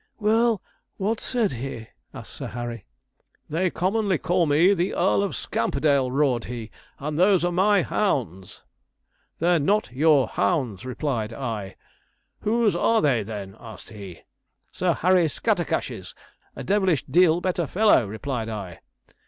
'Well, what said he?' asked Sir Harry. '"They commonly call me the Earl of Scamperdale," roared he, "and those are MY HOUNDS." '"They're not your hounds," replied I. '"Whose are they, then?" asked he. '"Sir Harry Scattercash's, a devilish deal better fellow," replied I.